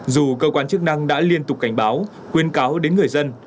dù cơ quan chức năng đã liên tục cảnh báo khuyên cáo đến người dân